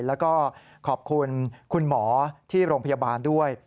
แล้วก็ขอบคุณคุณหมอที่โรงพยาบาลด้วย